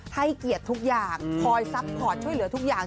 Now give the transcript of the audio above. ให้เกียรติทุกอย่างคอยซัพพอร์ตช่วยเหลือทุกอย่าง